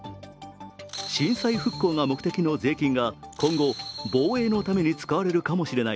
震災復興が目的の税金が今後、防衛のために使われるかもしれない。